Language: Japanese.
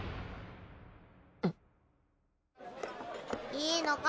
いいのか？